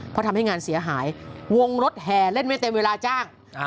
เพราะทำให้งานเสียหายวงรถแห่เล่นไม่เต็มเวลาจ้าง